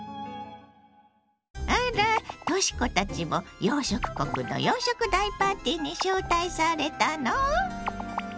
あらとし子たちも洋食国の洋食大パーティーに招待されたの？